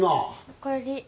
おかえり。